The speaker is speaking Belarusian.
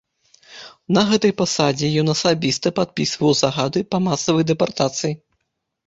На гэтай пасадзе ён асабіста падпісваў загады па масавай дэпартацыі.